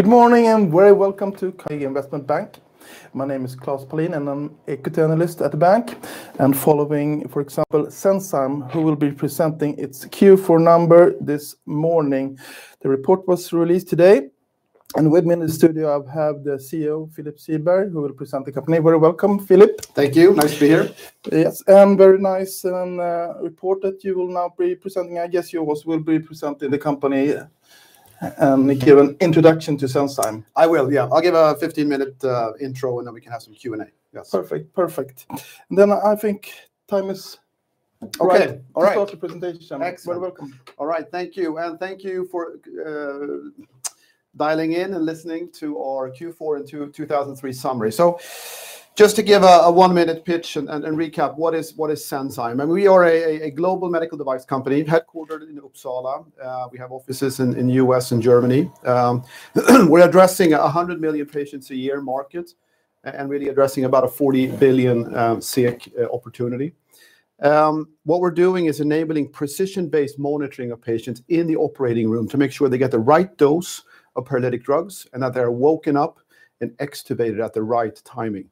Good morning, and very welcome to Carnegie Investment Bank. My name is Klas Palin, and I'm equity analyst at the bank, and following, for example, Senzime, who will be presenting its Q4 number this morning. The report was released today, and with me in the studio, I have the CEO, Philip Siberg, who will present the company. Very welcome, Philip. Thank you. Nice to be here. Yes, and very nice report that you will now be presenting. I guess you also will be presenting the company, give an introduction to Senzime. I will, yeah. I'll give a 15-minute intro, and then we can have some Q&A. Yes. Perfect. Perfect. Then I think time is- Okay. All right. Start the presentation. Excellent. You're welcome. All right, thank you, and thank you for dialing in and listening to our Q4 and 2023 summary. So just to give a one-minute pitch and recap what is Senzime? I mean, we are a global medical device company, headquartered in Uppsala. We have offices in U.S. and Germany. We're addressing a 100 million patients a year market, and really addressing about a 40 billion SEK opportunity. What we're doing is enabling precision-based monitoring of patients in the operating room to make sure they get the right dose of paralytic drugs and that they're woken up and extubated at the right timing.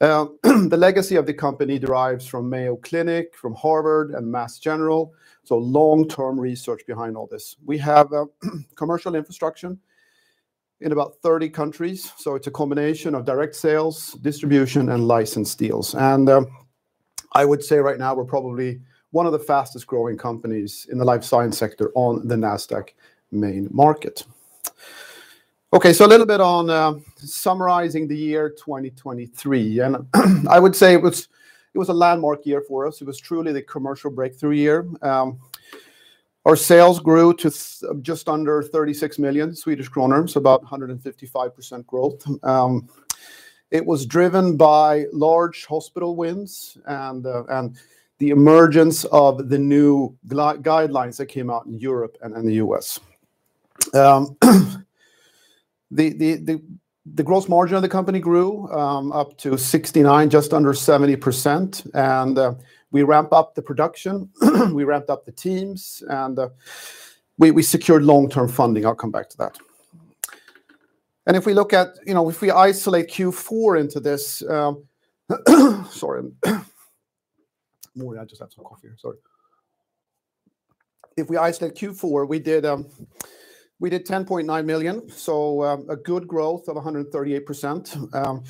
The legacy of the company derives from Mayo Clinic, from Harvard, and Mass General, so long-term research behind all this. We have commercial infrastructure in about 30 countries, so it's a combination of direct sales, distribution, and license deals. And I would say right now we're probably one of the fastest-growing companies in the life science sector on the Nasdaq Main Market. Okay, so a little bit on summarizing the year 2023, and I would say it was a landmark year for us. It was truly the commercial breakthrough year. Our sales grew to just under 36 million Swedish kronor, so about 155% growth. It was driven by large hospital wins and the emergence of the new guidelines that came out in Europe and in the U.S. The gross margin of the company grew up to 69%, just under 70%, and we ramp up the production, we ramped up the teams, and we secured long-term funding. I'll come back to that. And if we look at, you know, if we isolate Q4 into this. If we isolate Q4, we did 10.9 million, so a good growth of 138%.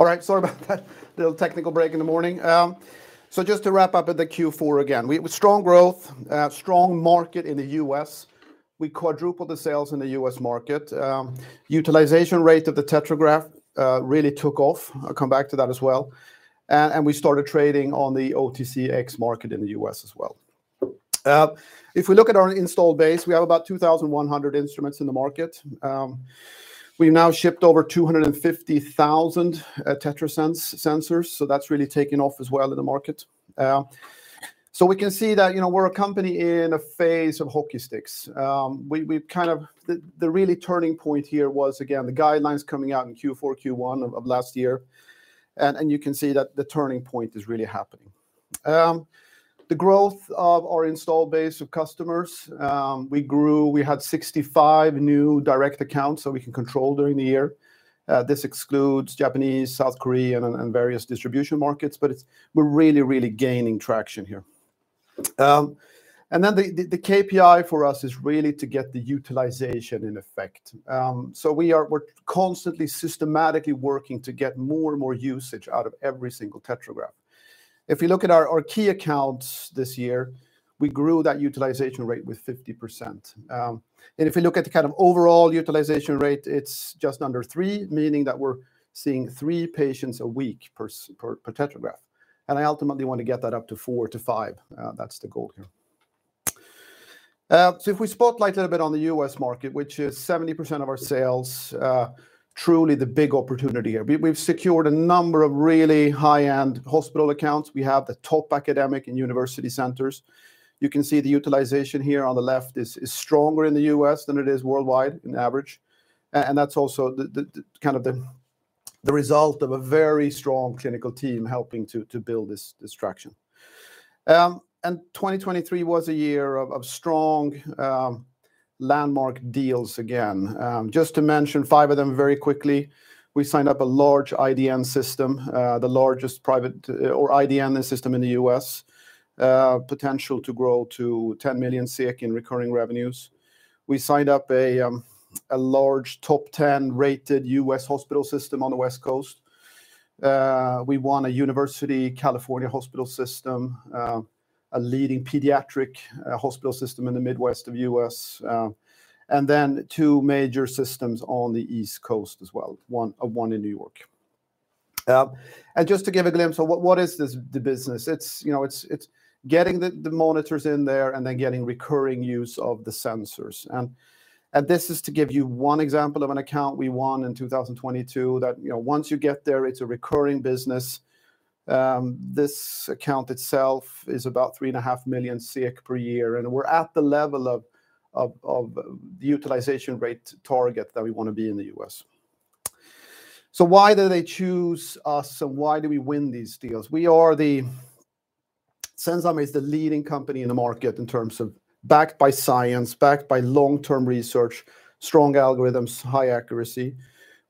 So just to wrap up with the Q4 again, with strong growth, strong market in the U.S., we quadrupled the sales in the US market. Utilization rate of the TetraGraph really took off. I'll come back to that as well. And we started trading on the OTCQX market in the U.S. as well. If we look at our installed base, we have about 2,100 instruments in the market. We've now shipped over 250,000 TetraSens sensors, so that's really taken off as well in the market. So we can see that, you know, we're a company in a phase of hockey sticks. The really turning point here was, again, the guidelines coming out in Q4, Q1 of last year, and you can see that the turning point is really happening. The growth of our installed base of customers, we grew. We had 65 new direct accounts, so we can control during the year. This excludes Japanese, South Korean, and various distribution markets, but it's. We're really, really gaining traction here. And then the KPI for us is really to get the utilization in effect. So we're constantly, systematically working to get more and more usage out of every single TetraGraph. If you look at our key accounts this year, we grew that utilization rate with 50%. And if you look at the kind of overall utilization rate, it's just under three, meaning that we're seeing three patients a week per TetraGraph, and I ultimately want to get that up to four to five. That's the goal here. So if we spotlight a little bit on the U.S. market, which is 70% of our sales, truly the big opportunity here. We've secured a number of really high-end hospital accounts. We have the top academic and university centers. You can see the utilization here on the left is stronger in the U.S. than it is worldwide in average, and that's also the result of a very strong clinical team helping to build this traction. And 2023 was a year of strong landmark deals again. Just to mention five of them very quickly, we signed up a large IDN system, the largest private or IDN system in the U.S. Potential to grow to 10 million in recurring revenues. We signed up a large top 10 rated U.S. hospital system on the West Coast. We won a University California hospital system, a leading pediatric hospital system in the Midwest of U.S., and then two major systems on the East Coast as well, 1 in New York. And just to give a glimpse of what is this, the business, it's, you know, it's getting the monitors in there, and then getting recurring use of the sensors. And this is to give you 1 example of an account we won in 2022, that, you know, once you get there, it's a recurring business. This account itself is about 3.5 million per year, and we're at the level of the utilization rate target that we want to be in the U.S. So why do they choose us, and why do we win these deals? Senzime is the leading company in the market in terms of backed by science, backed by long-term research, strong algorithms, high accuracy.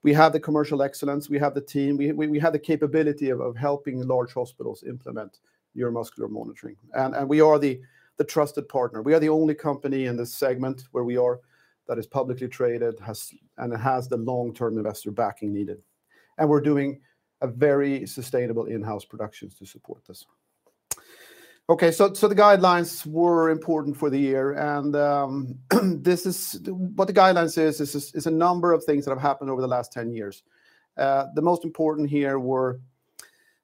We have the commercial excellence, we have the team, we have the capability of helping large hospitals implement neuromuscular monitoring, and we are the trusted partner. We are the only company in this segment that is publicly traded, has and has the long-term investor backing needed, and we're doing a very sustainable in-house productions to support this. Okay, so the guidelines were important for the year, and this is what the guidelines is, is a number of things that have happened over the last 10 years. The most important here were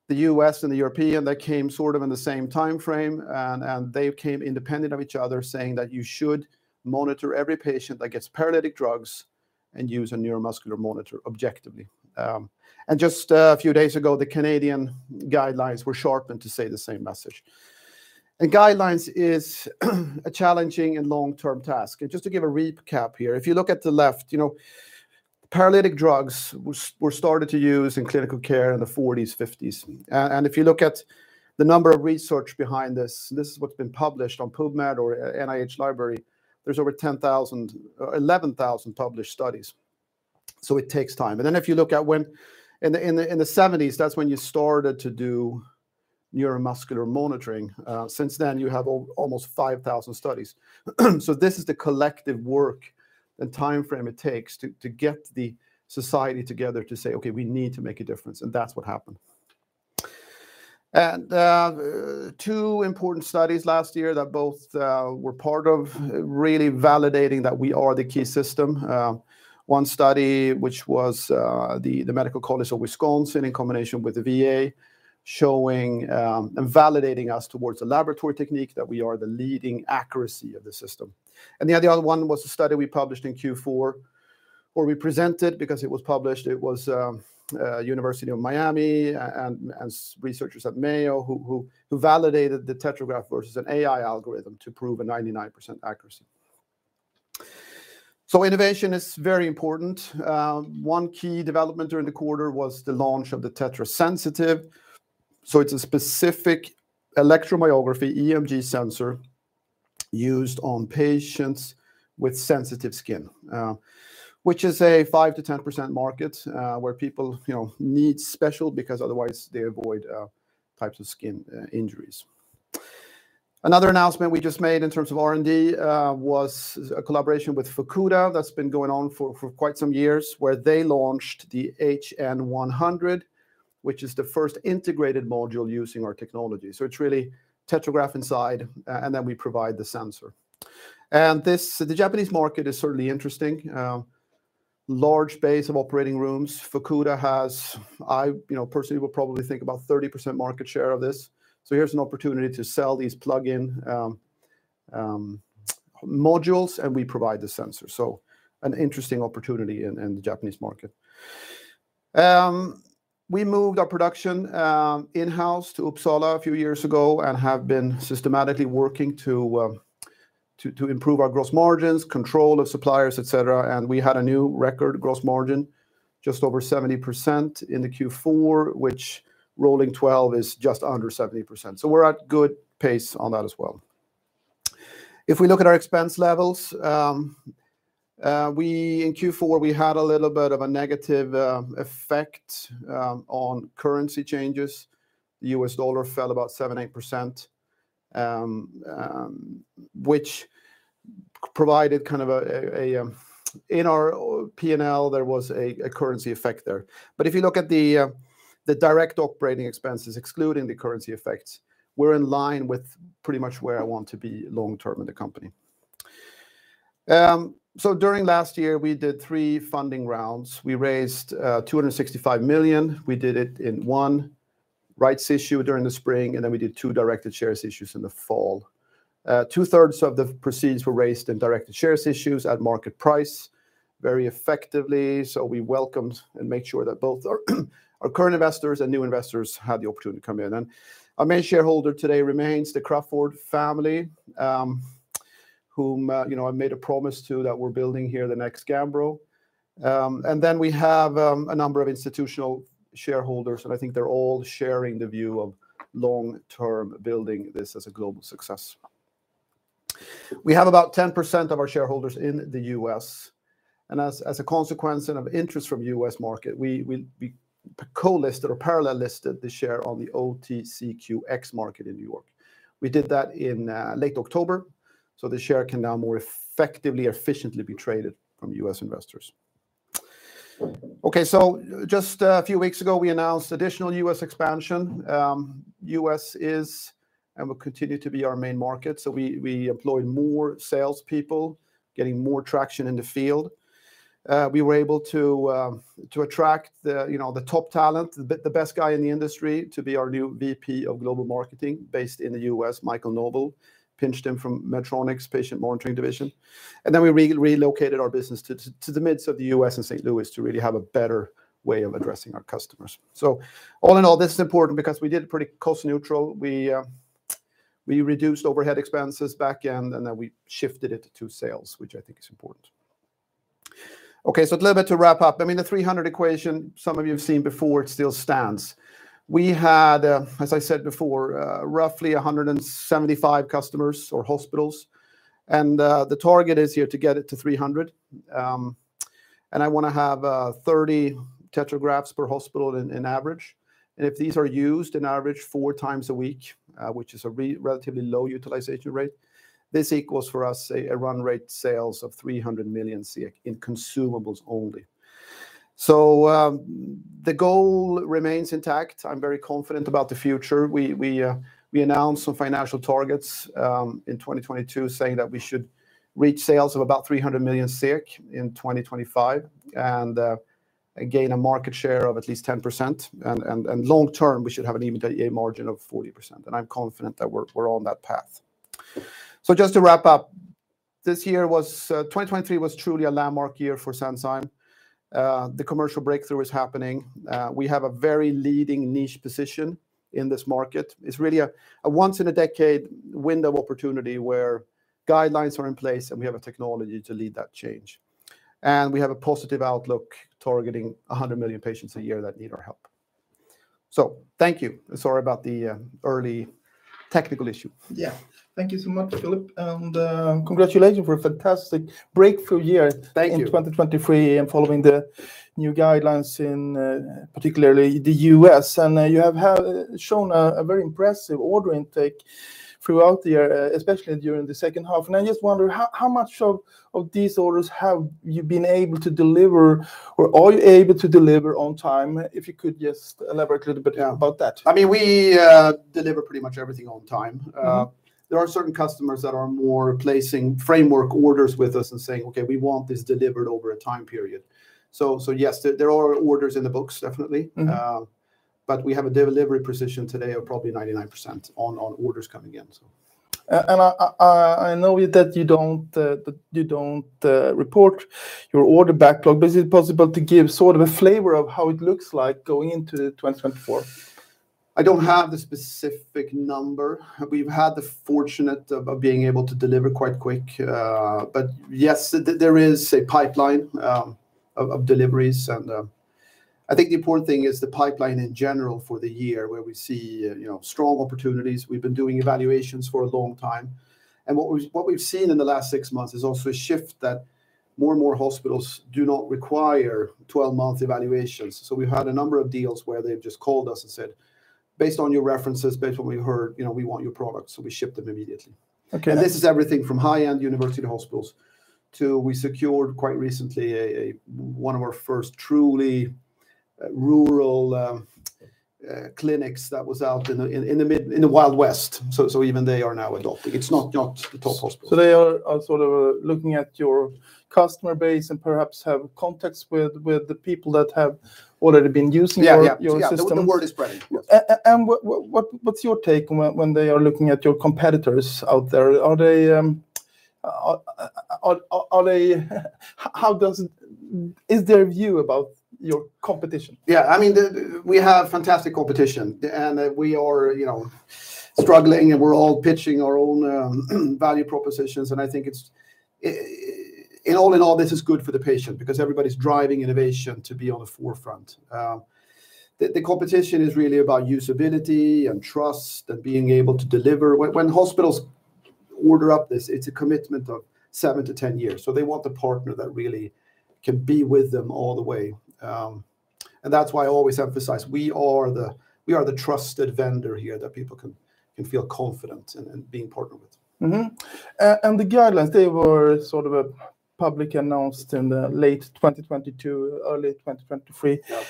the U.S. and the European. They came sort of in the same timeframe, and, and they came independent of each other, saying that you should monitor every patient that gets paralytic drugs and use a neuromuscular monitor objectively. Just a few days ago, the Canadian guidelines were sharpened to say the same message. Guidelines is a challenging and long-term task. Just to give a recap here, if you look at the left, you know, paralytic drugs were started to use in clinical care in the 1940s, 1950s. And if you look at the number of research behind this, this is what's been published on PubMed or NIH Library, there's over 10,000, 11,000 published studies, so it takes time. Then if you look at when, in the 1970s, that's when you started to do neuromuscular monitoring. Since then, you have almost 5,000 studies. So this is the collective work and timeframe it takes to get the society together to say, "Okay, we need to make a difference," and that's what happened. And two important studies last year that both were part of really validating that we are the key system. One study, which was the Medical College of Wisconsin in combination with the VA, showing and validating us towards a laboratory technique, that we are the leading accuracy of the system. And the other one was a study we published in Q4, or we presented because it was published. It was University of Miami and researchers at Mayo, who validated the TetraGraph versus an AI algorithm to prove a 99% accuracy. So innovation is very important. One key development during the quarter was the launch of the TetraSensitive. So it's a specific electromyography, EMG sensor, used on patients with sensitive skin, which is a 5%-10% market, where people, you know, need special, because otherwise, they avoid types of skin injuries. Another announcement we just made in terms of R&D was a collaboration with Fukuda that's been going on for quite some years, where they launched the HN-100, which is the first integrated module using our technology. So it's really TetraGraph inside, and then we provide the sensor. And the Japanese market is certainly interesting. Large base of operating rooms. Fukuda has, I, you know, personally would probably think about 30% market share of this. So here's an opportunity to sell these plug-in modules, and we provide the sensor. So an interesting opportunity in the Japanese market. We moved our production in-house to Uppsala a few years ago, and have been systematically working to improve our gross margins, control of suppliers, et cetera, and we had a new record gross margin, just over 70% in the Q4, which rolling twelve is just under 70%. So we're at good pace on that as well. If we look at our expense levels, in Q4, we had a little bit of a negative effect on currency changes. The U.S. dollar fell about 7%-8%, which provided kind of a... In our P&L, there was a currency effect there. But if you look at the direct operating expenses, excluding the currency effects, we're in line with pretty much where I want to be long term in the company. So during last year, we did three funding rounds. We raised 265 million. We did it in one rights issue during the spring, and then we did two directed shares issues in the fall. Two-thirds of the proceeds were raised in directed shares issues at market price, very effectively, so we welcomed and made sure that both our current investors and new investors had the opportunity to come in. And our main shareholder today remains the Crafoord family, whom, you know, I made a promise to that we're building here the next Gambro. And then we have a number of institutional shareholders, and I think they're all sharing the view of long-term building this as a global success. We have about 10% of our shareholders in the U.S., and as a consequence and of interest from U.S. market, we co-listed or parallel listed the share on the OTCQX market in New York. We did that in late October, so the share can now more effectively, efficiently be traded from U.S. investors. Okay, so just a few weeks ago, we announced additional U.S. expansion. U.S. is, and will continue to be our main market, so we employed more sales people, getting more traction in the field. We were able to attract the, you know, the top talent, the best guy in the industry to be our new VP of Global Marketing, based in the U.S., Michael Noble, pinched him from Medtronic's patient monitoring division. And then we relocated our business to the midst of the U.S. and St. Louis to really have a better way of addressing our customers. So all in all, this is important because we did it pretty cost neutral. We reduced overhead expenses back end, and then we shifted it to sales, which I think is important. Okay, so a little bit to wrap up. I mean, the 300 equation, some of you have seen before, it still stands. We had, as I said before, roughly 175 customers or hospitals, and the target is here to get it to 300. And I want to have 30 TetraGraph per hospital on average. And if these are used on average four times a week, which is a relatively low utilization rate, this equals for us, say, a run rate sales of 300 million in consumables only. So, the goal remains intact. I'm very confident about the future. We announced some financial targets in 2022, saying that we should reach sales of about 300 million in 2025, and gain a market share of at least 10%. Long term, we should have an EBITDA margin of 40%, and I'm confident that we're on that path. So just to wrap up, 2023 was truly a landmark year for Senzime. The commercial breakthrough is happening. We have a very leading niche position in this market. It's really a once in a decade window of opportunity where guidelines are in place, and we have a technology to lead that change. And we have a positive outlook, targeting 100 million patients a year that need our help. So thank you. Sorry about the early technical issue. Yeah. Thank you so much, Philip, and congratulations for a fantastic breakthrough year. Thank you ...in 2023, and following the new guidelines in, particularly the U.S. And you have shown a very impressive order intake throughout the year, especially during the second half. And I just wonder, how much of these orders have you been able to deliver, or are you able to deliver on time? If you could just elaborate a little bit- Yeah... about that. I mean, we deliver pretty much everything on time. Mm-hmm. There are certain customers that are more placing framework orders with us and saying, "Okay, we want this delivered over a time period." So yes, there are orders in the books, definitely. Mm-hmm. But we have a delivery precision today of probably 99% on orders coming in, so. I know that you don't report your order backlog, but is it possible to give sort of a flavor of how it looks like going into 2024? I don't have the specific number. We've had the fortune of being able to deliver quite quickly. But yes, there is a pipeline of deliveries, and I think the important thing is the pipeline in general for the year, where we see, you know, strong opportunities. We've been doing evaluations for a long time, and what we've seen in the last six months is also a shift that more and more hospitals do not require 12-month evaluations. So we've had a number of deals where they've just called us and said, "Based on your references, based on what we've heard, you know, we want your products," so we ship them immediately. Okay. This is everything from high-end university hospitals to we secured quite recently a one of our first truly rural clinics that was out in the middle of the Wild West. Even they are now adopting. It's not the top hospitals. They are sort of looking at your customer base and perhaps have contacts with the people that have already been using your- Yeah, yeah... your system. The word is spreading. Yes. And what's your take when they are looking at your competitors out there? Are they... how is their view about your competition? Yeah, I mean, we have fantastic competition, and we are, you know, struggling, and we're all pitching our own value propositions. And I think it's, and all in all, this is good for the patient, because everybody's driving innovation to be on the forefront. The competition is really about usability and trust and being able to deliver. When hospitals order up this, it's a commitment of seven to 10 years, so they want the partner that really can be with them all the way. And that's why I always emphasize we are the, we are the trusted vendor here that people can feel confident in, in being partnered with. Mm-hmm. The guidelines, they were sort of publicly announced in the late 2022, early 2023. Yeah.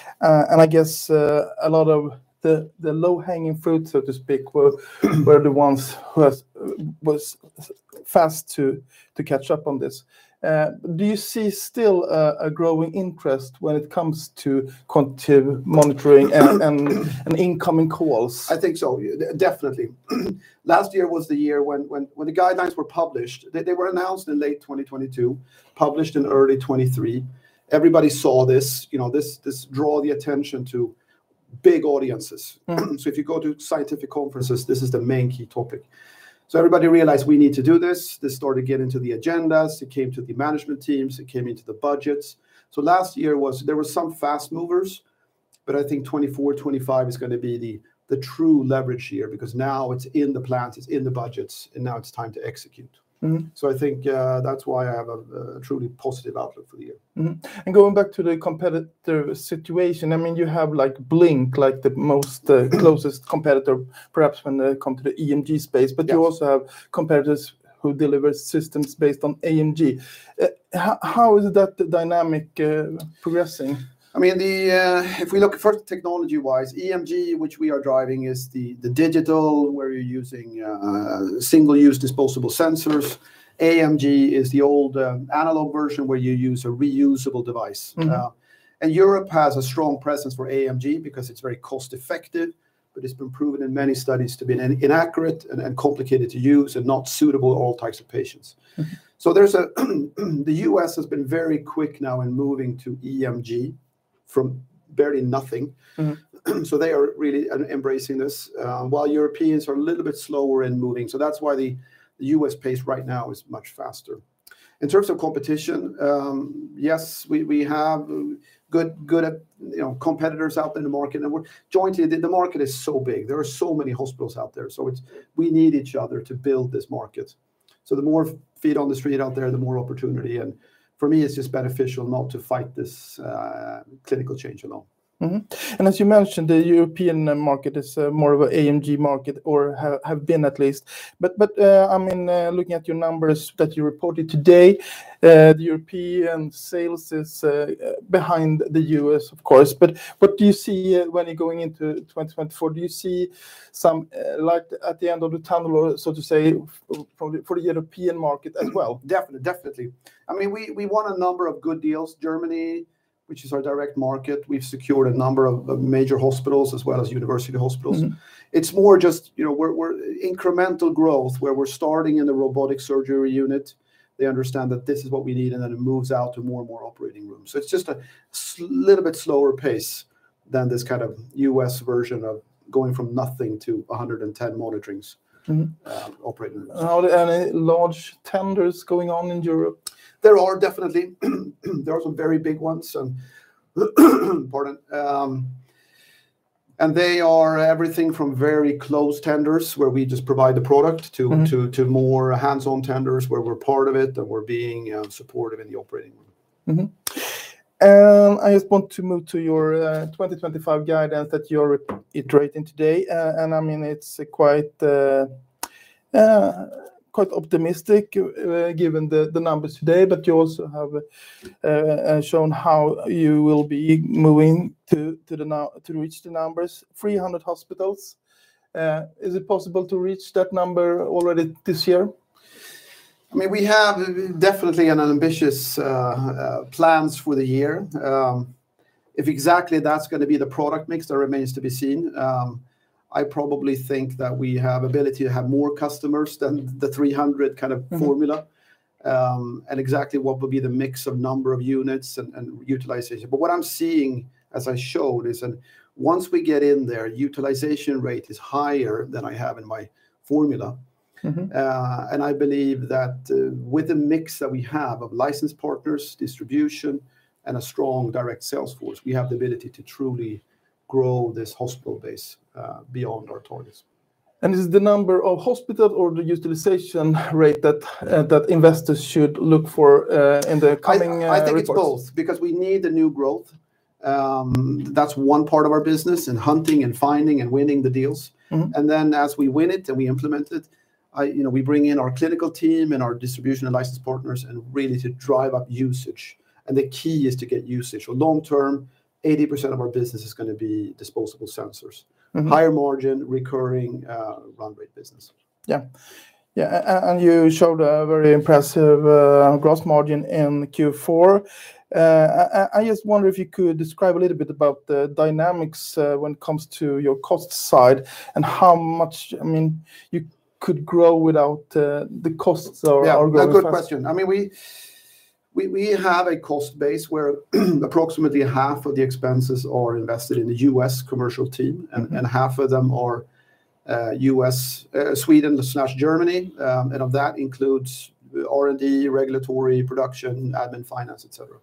And I guess a lot of the low-hanging fruit, so to speak, were the ones who was fast to catch up on this. Do you see still a growing interest when it comes to continuous monitoring and incoming calls? I think so, definitely. Last year was the year when the guidelines were published. They were announced in late 2022, published in early 2023. Everybody saw this, you know, this draw the attention to big audiences. Mm-hmm. So if you go to scientific conferences, this is the main key topic. So everybody realized we need to do this. This started getting to the agendas, it came to the management teams, it came into the budgets. So last year was. There were some fast movers, but I think 2024, 2025 is gonna be the true leverage year, because now it's in the plans, it's in the budgets, and now it's time to execute. Mm-hmm. I think that's why I have a truly positive outlook for the year. Mm-hmm. And going back to the competitor situation, I mean, you have, like, Blink, like the most closest competitor, perhaps when it come to the EMG space- Yeah... but you also have competitors who deliver systems based on AMG. How is that dynamic progressing? I mean, if we look first technology-wise, EMG, which we are driving, is the digital, where you're using single-use disposable sensors. AMG is the old analog version, where you use a reusable device. Mm-hmm. Europe has a strong presence for AMG because it's very cost-effective, but it's been proven in many studies to be inaccurate and complicated to use, and not suitable to all types of patients. Mm-hmm. So, the U.S. has been very quick now in moving to EMG, from barely nothing. Mm-hmm. So they are really embracing this while Europeans are a little bit slower in moving. So that's why the U.S. pace right now is much faster. In terms of competition, yes, we have good competitors out in the market, and we're jointly. The market is so big. There are so many hospitals out there, so we need each other to build this market. So the more feet on the street out there, the more opportunity, and for me, it's just beneficial not to fight this clinical change at all. Mm-hmm. And as you mentioned, the European market is more of a AMG market, or have been at least. But I mean, looking at your numbers that you reported today, the European sales is behind the U.S., of course. But what do you see when you're going into 2024? Do you see some light at the end of the tunnel, so to say, for the European market as well? Definitely. I mean, we won a number of good deals. Germany, which is our direct market, we've secured a number of major hospitals, as well as university hospitals. Mm-hmm. It's more just, you know, we're incremental growth, where we're starting in the robotic surgery unit. They understand that this is what we need, and then it moves out to more and more operating rooms. So it's just a little bit slower pace than this kind of U.S. version of going from nothing to 110 monitorings- Mm-hmm... operating rooms. Are there any large tenders going on in Europe? There are definitely. There are some very big ones, and pardon. And they are everything from very close tenders, where we just provide the product- Mm-hmm... to more hands-on tenders, where we're part of it, and we're being supportive in the operating room. Mm-hmm. I just want to move to your 2025 guidance that you're iterating today. And I mean, it's quite optimistic, given the numbers today. But you also have shown how you will be moving to reach the numbers. 300 hospitals, is it possible to reach that number already this year? I mean, we have definitely an ambitious plans for the year. If exactly that's gonna be the product mix, that remains to be seen. I probably think that we have ability to have more customers than the 300 kind of formula. Mm-hmm. And exactly what would be the mix of number of units and utilization? But what I'm seeing, as I showed, is that once we get in there, utilization rate is higher than I have in my formula. Mm-hmm. I believe that, with the mix that we have of license partners, distribution, and a strong direct sales force, we have the ability to truly grow this hospital base beyond our targets. Is it the number of hospitals or the utilization rate that investors should look for in the coming reports? I think it's both. Because we need the new growth. That's one part of our business, and hunting, and finding, and winning the deals. Mm-hmm. And then as we win it and we implement it, you know, we bring in our clinical team and our distribution and license partners, and really to drive up usage, and the key is to get usage. So long term, 80% of our business is gonna be disposable sensors- Mm-hmm... higher margin, recurring, run rate business. Yeah. Yeah, and you showed a very impressive gross margin in Q4. I just wonder if you could describe a little bit about the dynamics when it comes to your cost side, and how much, I mean, you could grow without the costs or growing fast? Yeah, a good question. I mean, we have a cost base where approximately half of the expenses are invested in the U.S. commercial team- Mm-hmm... and half of them are U.S., Sweden/Germany. And that includes R&D, regulatory, production, admin, finance, et cetera.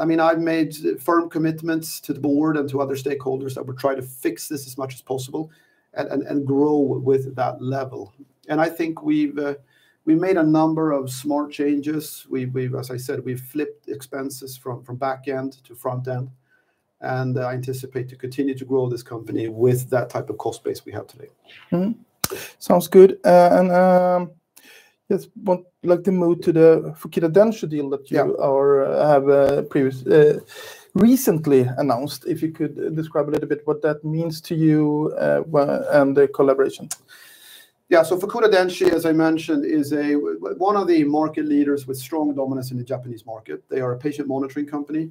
I mean, I've made firm commitments to the board and to other stakeholders that we're trying to fix this as much as possible, and grow with that level. And I think we've made a number of smart changes. We've, as I said, flipped expenses from back end to front end, and I anticipate continuing to grow this company with that type of cost base we have today. Mm-hmm. Sounds good. Just want like to move to the Fukuda Denshi deal that you- Yeah... or have previously recently announced. If you could describe a little bit what that means to you, and the collaboration? Yeah. So Fukuda Denshi, as I mentioned, is one of the market leaders with strong dominance in the Japanese market. They are a patient monitoring company.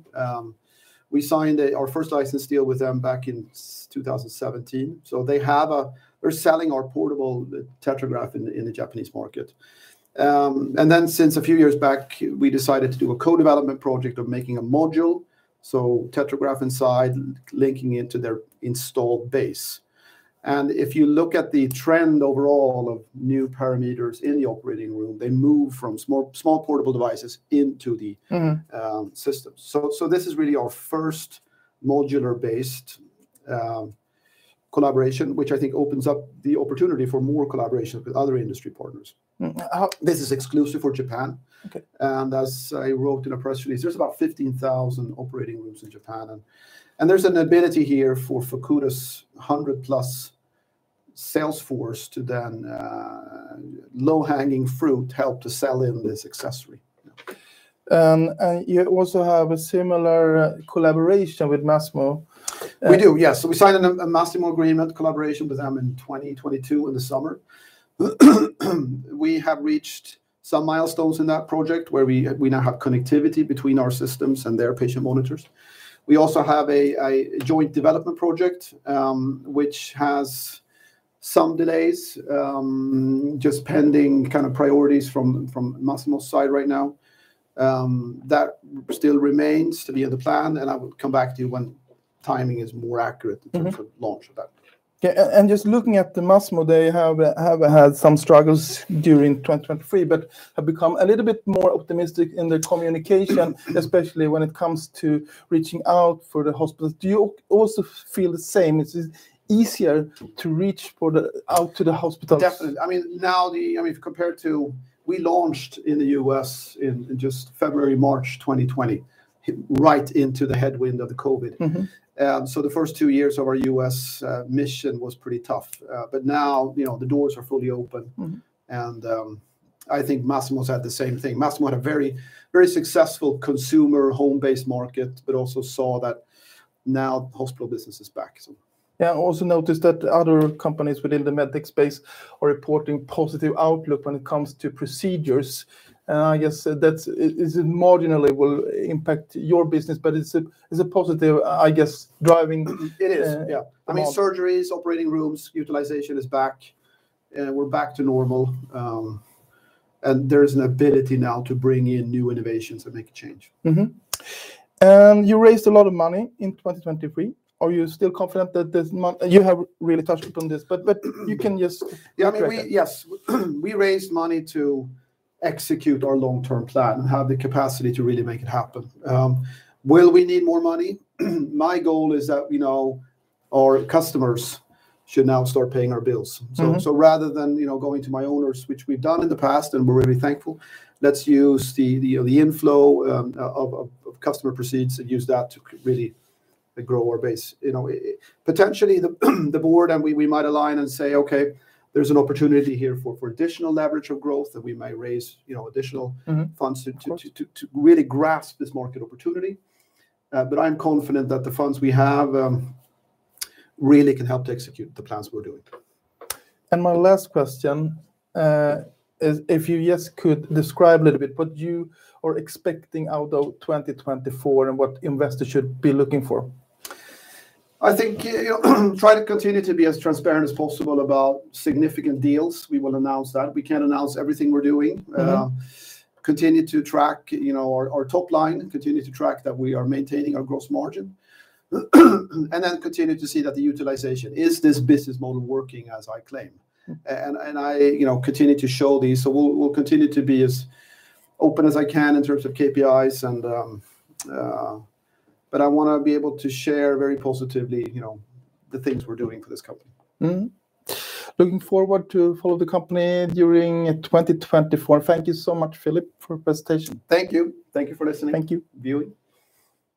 We signed our first license deal with them back in 2017, so they have a... They're selling our portable TetraGraph in the Japanese market. And then since a few years back, we decided to do a co-development project of making a module, so TetraGraph inside, linking into their installed base. And if you look at the trend overall of new parameters in the operating room, they move from small portable devices into the- Mm-hmm... systems. So this is really our first modular based collaboration, which I think opens up the opportunity for more collaborations with other industry partners. Mm-hmm. How- This is exclusive for Japan. Okay. As I wrote in a press release, there's about 15,000 operating rooms in Japan, and there's an ability here for Fukuda's 100-plus sales force to then low-hanging fruit help to sell in this accessory. You also have a similar collaboration with Masimo. We do, yes. So we signed a Masimo agreement collaboration with them in 2022, in the summer. We have reached some milestones in that project, where we now have connectivity between our systems and their patient monitors. We also have a joint development project, which has some delays, just pending kind of priorities from Masimo's side right now. That still remains to be in the plan, and I will come back to you when timing is more accurate- Mm-hmm ...in terms of launch of that. Yeah, and just looking at the Masimo, they have had some struggles during 2023, but have become a little bit more optimistic in their communication, especially when it comes to reaching out to the hospitals. Do you also feel the same, it's easier to reach out to the hospitals? Definitely. I mean, now the... I mean, if compared to, we launched in the U.S. in just February, March 2020, right into the headwind of the COVID. Mm-hmm. So the first two years of our U.S. mission was pretty tough. But now, you know, the doors are fully open. Mm-hmm. I think Masimo's had the same thing. Masimo had a very, very successful consumer home-based market, but also saw that now hospital business is back, so. Yeah, I also noticed that other companies within the med tech space are reporting positive outlook when it comes to procedures, and I guess that's it marginally will impact your business, but it's a, it's a positive, I guess, driving- It is. Uh, yeah. I mean, surgeries, operating rooms, utilization is back. We're back to normal, and there's an ability now to bring in new innovations and make a change. Mm-hmm. You raised a lot of money in 2023. Are you still confident that this mo- you have really touched upon this, but, but you can just elaborate that. Yeah, I mean, we... Yes. We raised money to execute our long-term plan and have the capacity to really make it happen. Will we need more money? My goal is that, you know, our customers should now start paying our bills. Mm-hmm. So rather than, you know, going to my owners, which we've done in the past, and we're really thankful, let's use the inflow of customer proceeds and use that to really grow our base. You know, potentially, the board and we might align and say, "Okay, there's an opportunity here for additional leverage of growth, that we might raise, you know, additional- Mm-hmm... funds to really grasp this market opportunity. But I'm confident that the funds we have really can help to execute the plans we're doing. My last question is if you just could describe a little bit what you are expecting out of 2024, and what investors should be looking for? I think, try to continue to be as transparent as possible about significant deals. We will announce that. We can't announce everything we're doing. Mm-hmm. Continue to track, you know, our, our top line, and continue to track that we are maintaining our gross margin. And then continue to see that the utilization. Is this business model working as I claim? Mm. I, you know, continue to show these, so we'll continue to be as open as I can in terms of KPIs and. But I wanna be able to share very positively, you know, the things we're doing for this company. Mm-hmm. Looking forward to follow the company during 2024. Thank you so much, Philip, for presentation. Thank you. Thank you for listening- Thank you... viewing.